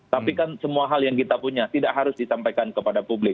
tapi kan semua hal yang kita punya tidak harus disampaikan kepada publik